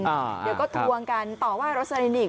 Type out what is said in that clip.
เดี๋ยวก็ทวงกันต่อว่ารถเซอรินีอีก